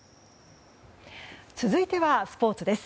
続いてはスポーツです。